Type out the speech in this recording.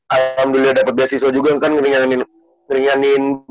alhamdulillah dapat beasiswa juga kan ngeringanin